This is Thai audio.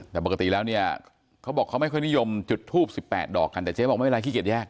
แต่ปกติแล้วเนี่ยเขาบอกเขาไม่ค่อยนิยมจุดทูป๑๘ดอกกันแต่เจ๊บอกไม่เป็นไรขี้เกียจแยก